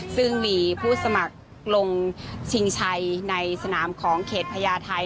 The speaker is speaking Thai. ซึ่งมีผู้สมัครลงชิงชัยในสนามของเขตพญาไทย